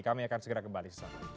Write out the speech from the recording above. kami akan segera kembali